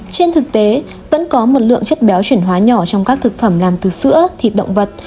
trên thực tế vẫn có một lượng chất béo chuyển hóa nhỏ trong các thực phẩm làm từ sữa thịt động vật